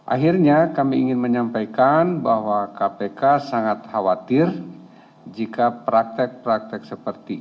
akhirnya kami ingin menyampaikan bahwa kpk sangat khawatir jika praktek praktek seperti ini